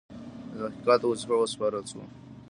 تحقیقاتو وظیفه وسپارله شوه.